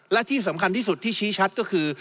และที่สำคัญที่สุดที่ชี้ชัดก็คือ